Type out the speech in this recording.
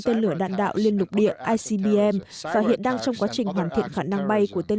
tên lửa đạn đạo liên lục địa icbm và hiện đang trong quá trình hoàn thiện khả năng bay của tên